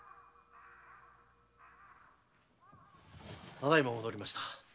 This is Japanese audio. ただ今戻りました。